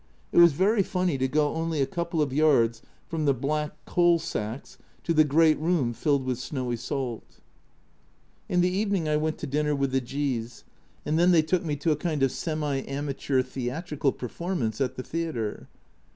It was very funny to go only a couple of yards from the black coal sacks to the great room filled with snowy salt. In the evening I went to dinner with the G s, and then they took me to a kind of semi amateur theatrical performance at the theatre.